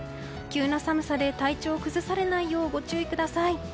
急な寒さで体調を崩されないようご注意ください。